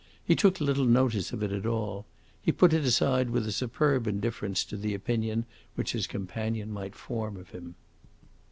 He took little notice of it at all. He put it aside with a superb indifference to the opinion which his companions might form of him.